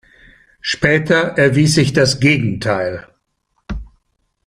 Später erwies sich das Gegenteil.